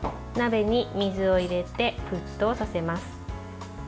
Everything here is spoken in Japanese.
鍋に水を入れて、沸騰させます。